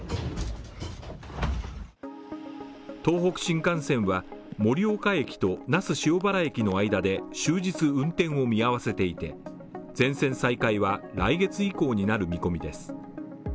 東北新幹線は盛岡駅と那須塩原駅の間で終日運転を見合わせていて全線再開は、来月以降になる見込みです。